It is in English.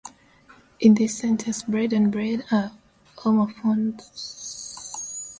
In this sentence, "bread" and "bred" are homophones.